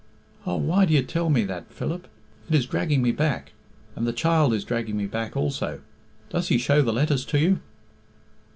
"Oh, why do you tell me that, Philip? It is dragging me back. And the child is dragging me back also... Does he show the letters to you?"